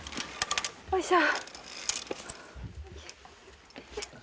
よいしょ！